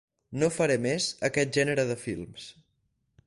No faré més aquest gènere de films.